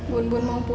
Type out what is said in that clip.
bun bun mau pulang